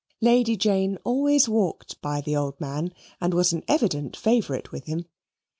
Lady Jane always walked by the old man, and was an evident favourite with him.